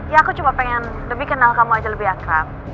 ya aku cuma pengen lebih kenal kamu aja lebih akrab